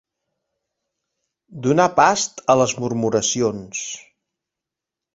Donar past a les murmuracions.